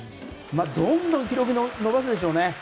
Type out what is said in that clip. どんどん記録を伸ばすでしょうね。